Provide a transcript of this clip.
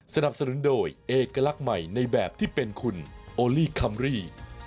สนับสนุนโดยเอกลักษณ์ใหม่ในแบบที่เป็นคุณโอลี่คัมรี่